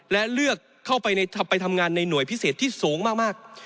และเลือกเข้าไปทำงานในหน่วยพิเศษที่สูงมาก